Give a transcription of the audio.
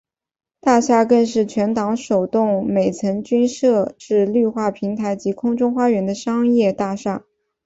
大厦更是全港首幢每层均设置绿化平台及空中花园的商业大厦。